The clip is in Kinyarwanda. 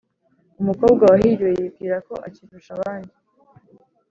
Umukobwa wahiriwe yibwira ko akirusha abandi.